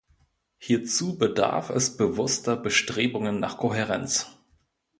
Hierzu bedarf es bewusster Bestrebungen nach Kohärenz.